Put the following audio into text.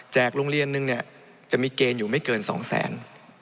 จากโรงเรียนนึงจะมีเกณฑ์อยู่ไม่เกินสองแสน